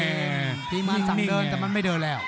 เออนิ่งที่มะสังเดินค่ะมันก็มันไม่เดินแล้ว